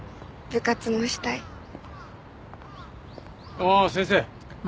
ああ先生。